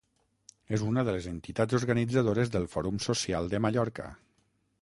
És una de les entitats organitzadores del Fòrum Social de Mallorca.